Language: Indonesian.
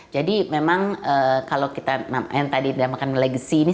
jadi memang kalau kita yang tadi namakan legacy ini